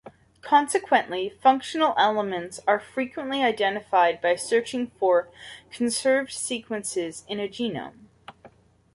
Consequently, functional elements are frequently identified by searching for conserved sequences in a genome.